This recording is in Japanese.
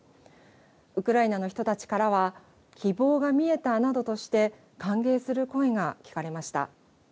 ウクライナの人たちからは、希望が見えたなどとして、歓迎する声が聞かれました。